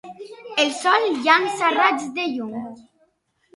El sol llança raigs de llum.